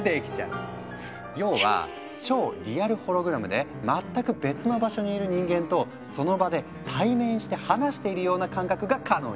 要は超リアルホログラムで全く別の場所にいる人間とその場で対面して話しているような感覚が可能に。